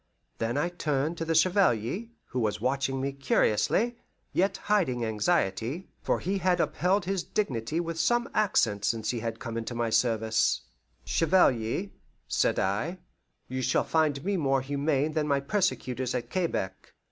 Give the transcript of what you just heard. Then I turned to the Chevalier, who was watching me curiously, yet hiding anxiety, for he had upheld his dignity with some accent since he had come into my service: "Chevalier," said I, "you shall find me more humane than my persecutors at Quebec.